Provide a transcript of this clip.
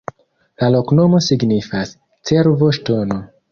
La loknomo signifas: cervo-ŝtono.